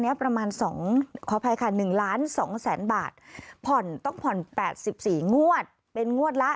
ประมาณ๒ขออภัยค่ะ๑ล้าน๒แสนบาทผ่อนต้องผ่อน๘๔งวดเป็นงวดละ